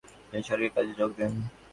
তিনি সরকারি কাজে যোগ দেন।